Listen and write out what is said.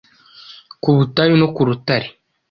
Ku butayu no ku rutare